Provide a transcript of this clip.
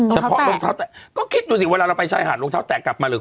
เฉพาะรองเท้าแตะก็คิดดูสิเวลาเราไปชายหาดรองเท้าแตะกลับมาหรือ